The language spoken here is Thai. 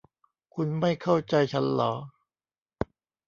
คุณไม่เข้าใจฉันหรอ